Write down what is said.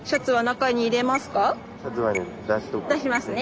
出しますね。